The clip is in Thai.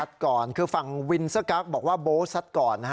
ก่อนคือฝั่งวินเซอร์กั๊กบอกว่าโบ๊ทซัดก่อนนะฮะ